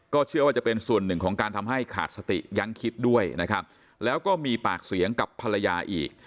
เชื่อว่าจะเป็นส่วนหนึ่งของการทำให้ขาดสติยังคิดด้วยนะครับแล้วก็มีปากเสียงกับภรรยาอีก